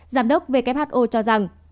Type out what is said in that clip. giám đốc who cho rằng